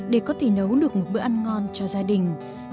để có thể nấu được một bữa ăn ngon cho gia đình